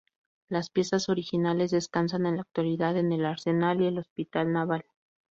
Las piezas originales descansan en la actualidad en el Arsenal y el Hospital Naval.